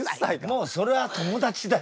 もうそれは友達だよ。